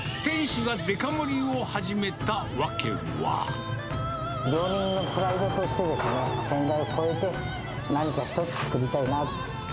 で、店主がデカ盛りを始めた料理人のプライドとして、先代を超えて、何か一つ作りたいなって。